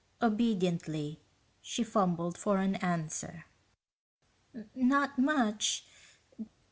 Obediently, she fumbled for an answer. "Not much.